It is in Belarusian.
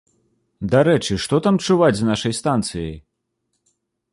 Дарэчы, што там чуваць з нашай станцыяй?